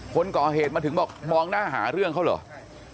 คนก่อเหตุมาถึงบอกมองหน้าหาเรื่องเขาเหรอ